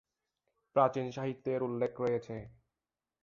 প্রাচীন সাহিত্যে এর উল্লেখ রয়েছে।